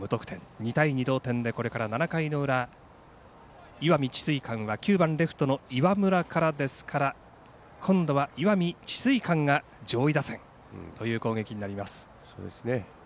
２対２同点で、これから７回の裏石見智翠館は９番レフトの岩村からですから今度は石見智翠館が上位打線という攻撃になります。